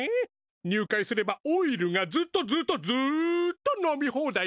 入会すればオイルがずっとずっとずっと飲み放題なのに。